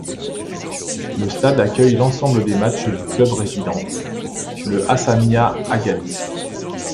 Le stade accueille l'ensemble des matchs du club résident, le Hassania Agadir.